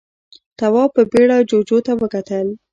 تواب په بيړه جُوجُو ته وکتل.